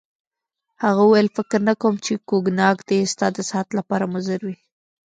هغه وویل: فکر نه کوم چي کوګناک دي ستا د صحت لپاره مضر وي.